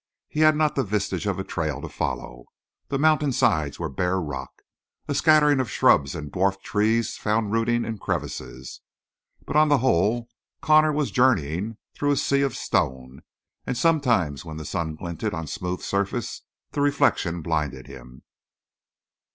He had not the vestige of a trail to follow; the mountain sides were bare rock. A scattering of shrubs and dwarfed trees found rooting in crevices, but on the whole Connor was journeying through a sea of stone, and sometimes, when the sun glinted on smooth surface, the reflection blinded him.